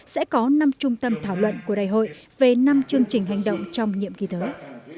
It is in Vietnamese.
sẽ có năm trung tâm thảo luận của đại hội về năm chương trình hành động trong nhiệm kỳ tới